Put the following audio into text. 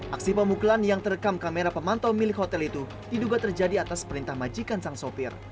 aksi pemukulan yang terekam kamera pemantau milik hotel itu diduga terjadi atas perintah majikan sang sopir